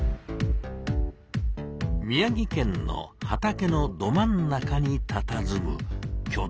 宮城県の畑のど真ん中にたたずむきょ大なしせつ。